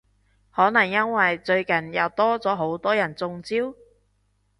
可能因為最近又多咗好多人中招？